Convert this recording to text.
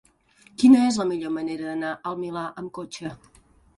Quina és la millor manera d'anar al Milà amb cotxe?